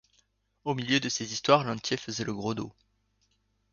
Au milieu de ces histoires, Lantier faisait le gros dos.